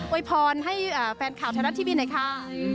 วยพรให้แฟนข่าวไทยรัฐทีวีหน่อยค่ะ